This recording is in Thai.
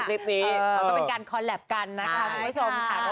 ก็เป็นการคอลแลบกันนะคุณผู้ชม